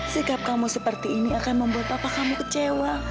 sikap kamu seperti ini akan membuat papa kamu kecewa